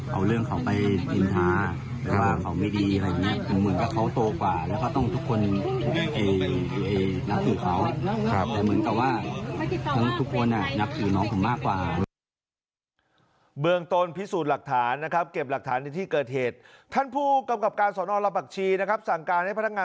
เอาเรื่องเขาไปนินทา